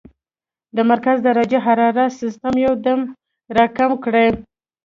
د مرکزي درجه حرارت سسټم يو دم را کم کړي -